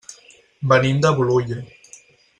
Venim de Bolulla.